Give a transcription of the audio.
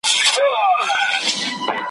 پتڼ له ګل او لاله زاره سره نه جوړیږي ,